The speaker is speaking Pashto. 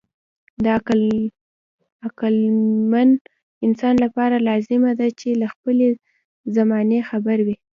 د عقلمن انسان لپاره لازمي ده چې له خپلې زمانې خبر وي.